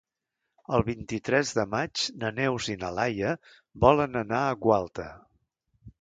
El vint-i-tres de maig na Neus i na Laia volen anar a Gualta.